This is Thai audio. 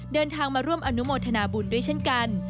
เดินทางมาร่วมอนุโมทนาบุญด้วยเช่นกัน